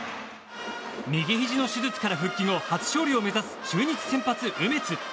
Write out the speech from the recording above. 右ひじの手術から復帰後初勝利を目指す中日先発、梅津。